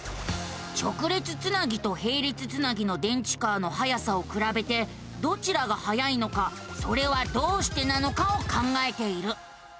直列つなぎとへい列つなぎの電池カーのはやさをくらべてどちらがはやいのかそれはどうしてなのかを考えている。